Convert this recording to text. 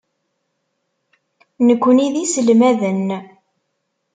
Nekkni d iselmaden.